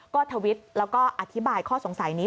ก็ทวิตแล้วก็อธิบายข้อสงสัยนี้